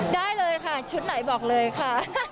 ได้เลยค่ะชุดไหนบอกเลยค่ะ